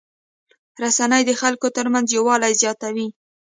رسنۍ د خلکو ترمنځ یووالی زیاتوي.